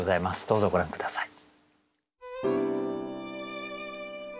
どうぞご覧下さい。